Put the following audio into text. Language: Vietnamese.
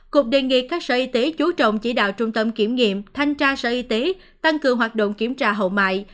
cục đề nghị các sở y tế chú trọng chỉ đạo trung tâm kiểm nghiệm thanh tra sở y tế tăng cường hoạt động kiểm tra hậu mại